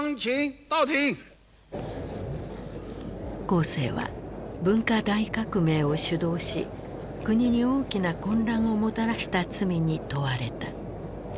江青は文化大革命を主導し国に大きな混乱をもたらした罪に問われた。